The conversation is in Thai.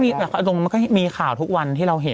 ตรงมันก็มีข่าวทุกวันที่เราเห็น